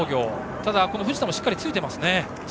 ただ、藤田もしっかりついています。